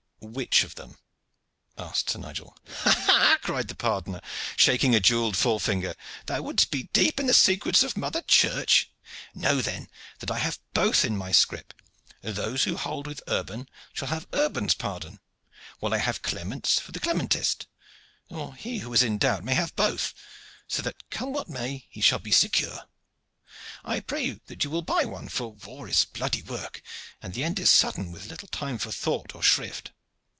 "Which of them?" asked Sir Nigel. "Ha, ha!" cried the pardoner, shaking a jewelled forefinger. "Thou wouldst be deep in the secrets of mother Church? Know then that I have both in my scrip. Those who hold with Urban shall have Urban's pardon, while I have Clement's for the Clementist or he who is in doubt may have both, so that come what may he shall be secure. I pray you that you will buy one, for war is bloody work, and the end is sudden with little time for thought or shrift.